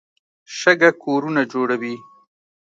شګه کورونه جوړوي.